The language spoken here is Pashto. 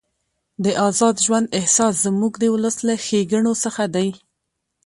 د ازاد ژوند احساس زموږ د ولس له ښېګڼو څخه دی.